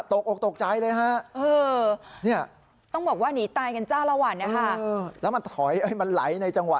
ตกออกตกใจเลยฮะ